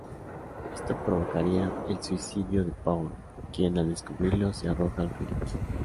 Esto provocaría el suicidio de Paul, quien, al descubrirlo, se arroja al río.